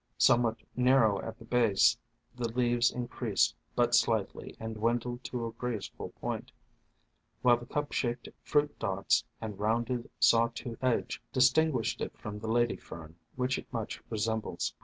Some what narrow at the base, the leaves increased but slightly and dwindled to a graceful point, while the cup shaped fruit dots and rounded, saw toothed edge distinguish it from the Lady Fern, which it much resembles.